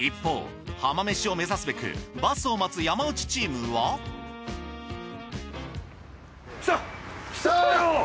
一方浜めしを目指すべくバスを待つ山内チームは。来たよ！